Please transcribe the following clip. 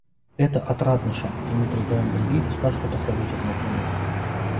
Это — отрадный шаг, и мы призываем другие государства последовать этому примеру.